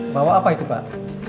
bawa apa itu pak